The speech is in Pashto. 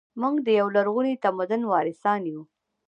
موږ د یو لرغوني تمدن وارثان یو